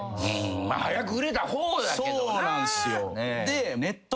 早く売れた方だけどな。